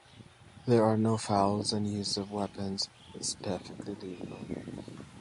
There are no fouls and use of weapons is perfectly legal.